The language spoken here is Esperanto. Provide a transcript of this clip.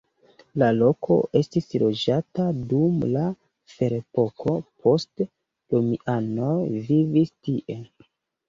La loko estis loĝata dum la ferepoko, poste romianoj vivis tie.